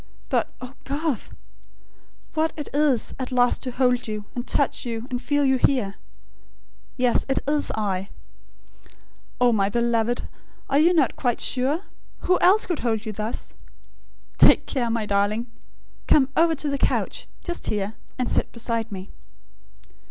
But, oh, Garth! What it is, at last to hold you, and touch you, and feel you here! ... Yes, it is I. Oh, my beloved, are you not quite sure? Who else could hold you thus? ... Take care, my darling! Come over to the couch, just here; and sit beside me."